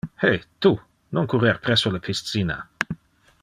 He, tu! Non currer presso le piscina!